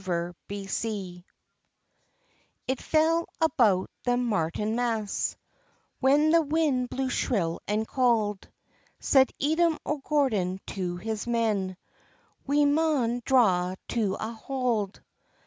EDOM O' GORDON IT fell about the Martinmas, When the wind blew shrill and cauld, Said Edom o' Gordon to his men,— "We maun draw to a hald.